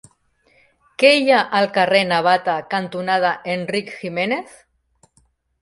Què hi ha al carrer Navata cantonada Enric Giménez?